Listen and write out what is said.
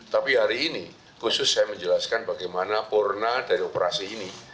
tapi hari ini khusus saya menjelaskan bagaimana purna dari operasi ini